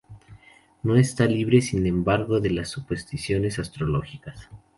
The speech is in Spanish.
No está libre sin embargo de las supersticiones astrológicas.